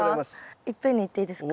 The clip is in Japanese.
いっぺんにいっていいですか？